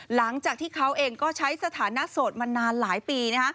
หลังจากที่เขาเองก็ใช้สถานะโสดมานานหลายปี